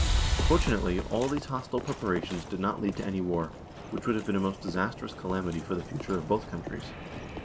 Fortunately all these hostile preparations did not lead to any war, which would have been a most disastrous calamity for the future of both countries.